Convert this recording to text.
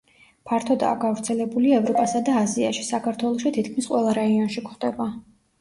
ფართოდაა გავრცელებული ევროპასა და აზიაში; საქართველოში თითქმის ყველა რაიონში გვხვდება.